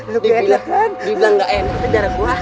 dibilang gak enak itu darah gua